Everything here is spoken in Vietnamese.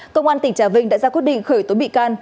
công an tỉnh trà vinh đã ra quyết định khởi tố bị can